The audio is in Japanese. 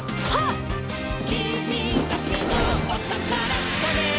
「きみだけのおたからつかめ！」